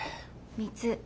３つ。